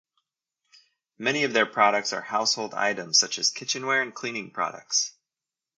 Many of their products are house-hold items such as kitchenware and cleaning products.